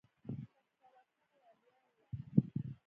شهسوار خان وويل: ياالله.